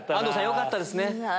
よかったです。